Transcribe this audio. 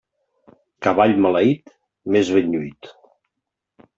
Cavall maleït, més ben lluït.